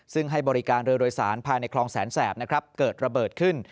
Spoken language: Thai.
ซึ่งให้บริการเรือโดยสารภายในคลองแสนแสบนะครับเกิดระเบิดขึ้น